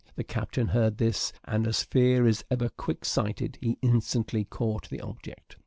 The captain heard this; and, as fear is ever quick sighted, he instantly caught the object.